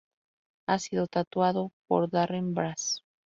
Ha sido tatuado por Darren Brass.